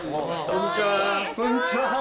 こんにちは。